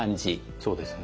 そうですね。